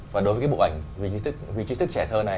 và đối với cái bộ ảnh vị trí thức trẻ thơ này